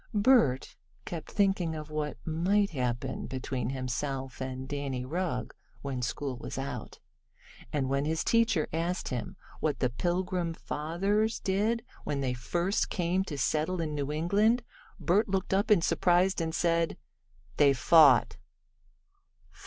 Bert kept thinking of what might happen between himself and Danny Rugg when school was out, and when his teacher asked him what the Pilgrim Fathers did when they first came to settle in New England Bert looked up in surprise, and said: "They fought."